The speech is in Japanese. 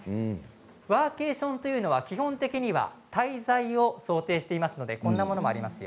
ワーケーションというのは基本的には滞在を想定しているのでこんなものもありますよ。